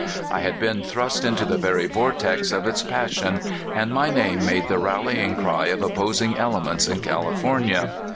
I had been thrust into the very vortex of its passion, and my name made the rallying cry of opposing elements in California.